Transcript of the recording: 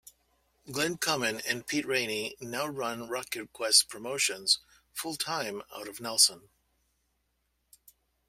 Glenn Common and Pete Rainey now run Rockquest Promotions full-time out of Nelson.